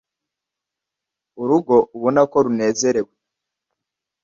Urugo ubona ko runezerewe